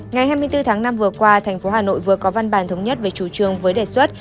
ngày hai mươi bốn tháng năm vừa qua thành phố hà nội vừa có văn bản thống nhất về chủ trương với đề xuất